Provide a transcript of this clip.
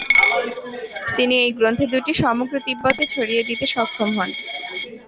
তিনি এই গ্রন্থ দুটি সমগ্র তিব্বতে ছড়িয়ে দিতে সক্ষম হন।